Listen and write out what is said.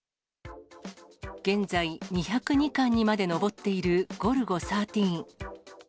現在、２０２巻にまで上っているゴルゴ１３。